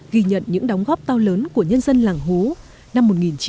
ghi nhận những đóng góp to lớn của nhân dân làng hú năm một nghìn chín trăm bảy mươi